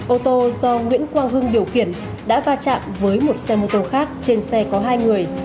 ô tô do nguyễn quang hưng điều khiển đã va chạm với một xe mô tô khác trên xe có hai người